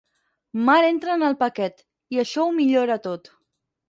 Mar entra en el paquet, i això ho millora tot.